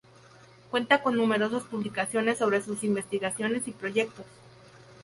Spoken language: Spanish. Cuenta con numerosas publicaciones sobre sus investigaciones y proyectos.